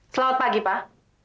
selamat pagi pak